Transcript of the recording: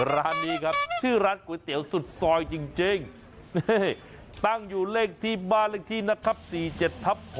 ร้านนี้ครับชื่อร้านก๋วยเตี๋ยวสุดซอยจริงนี่ตั้งอยู่เลขที่บ้านเลขที่นะครับ๔๗ทับ๖